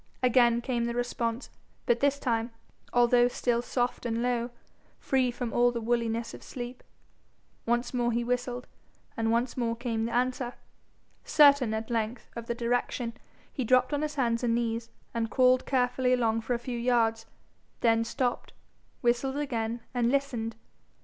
Again came the response, but this time, although still soft and low, free from all the woolliness of sleep. Once more he whistled, and once more came the answer. Certain at length of the direction, he dropped on his hands and knees, and crawled carefully along for a few yards, then stopped, whistled again, and listened.